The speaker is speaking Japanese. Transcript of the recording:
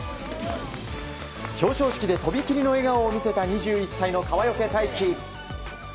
表彰式で飛び切りの笑顔を見せた２１歳の川除大輝。